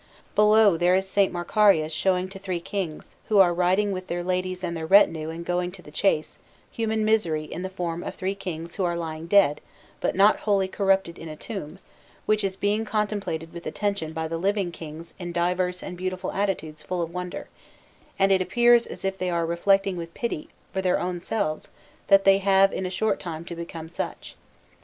Below there is S. Macarius showing to three Kings, who are riding with their ladies and their retinue and going to the chase, human misery in the form of three Kings who are lying dead but not wholly corrupted in a tomb, which is being contemplated with attention by the living Kings in diverse and beautiful attitudes full of wonder, and it appears as if they are reflecting with pity for their own selves that they have in a short time to become such.